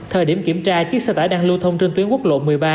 thời điểm kiểm tra chiếc xe tải đang lưu thông trên tuyến quốc lộ một mươi ba